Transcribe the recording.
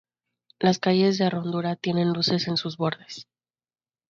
Las calles de rodadura tiene luces en sus bordes.